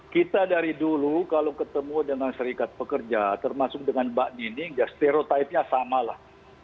kita dari dulu kalau ketemu dengan serikat pekerja termasuk dengan mbak dining ya stereotipenya sama lah